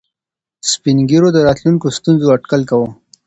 سپین ږیرو د راتلونکو ستونزو اټکل کاوه.